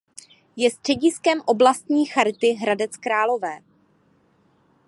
Je střediskem Oblastní charity Hradec Králové.